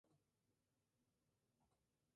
Esta glicosilación tiene lugar en el Golgi.